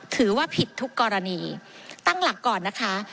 ถือว่าผิดทุกกรณีตั้งหลักก่อนนะคะ